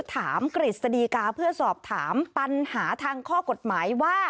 กฤษฎีกาเพื่อสอบถามปัญหาทางข้อกฎหมายว่า